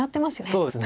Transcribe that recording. そうですね。